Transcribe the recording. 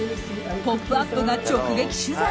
「ポップＵＰ！」が直撃取材。